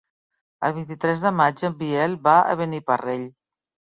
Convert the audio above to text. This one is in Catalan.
El vint-i-tres de maig en Biel va a Beniparrell.